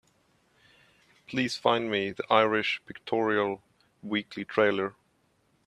Please find me the Irish Pictorial Weekly trailer.